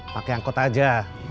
pake angkot aja